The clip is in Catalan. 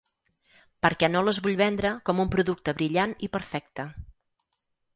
Perquè no les vull vendre com un producte brillant i perfecte.